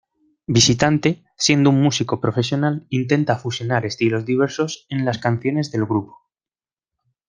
Visitante, siendo un músico profesional, intenta fusionar estilos diversos en las canciones del grupo.